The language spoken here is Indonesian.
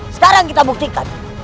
sekarang kita buktikan